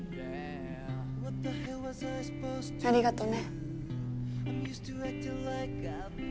ありがとね。